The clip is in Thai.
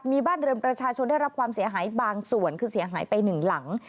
มีบ้านเรือนประชาชนได้รับความเสียหายบางส่วนคือเสียหายไปหนึ่งหลัง